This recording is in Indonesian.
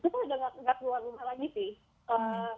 itu kan sudah tidak keluar rumah lagi sih